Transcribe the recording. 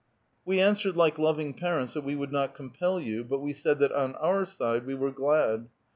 We answered like loving parents that we would not compel you, but we said that on our side we were glad.